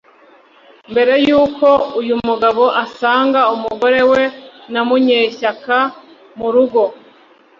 Mbere y’uko uyu mugabo asanga umugore we na Munyeshyaka mu rugo